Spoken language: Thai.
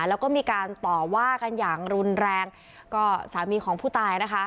แล้วก็มีการต่อว่ากันอย่างรุนแรงก็สามีของผู้ตายนะคะ